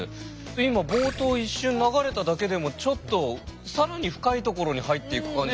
今冒頭一瞬流れただけでもちょっと更に深いところに入っていく感じしますね。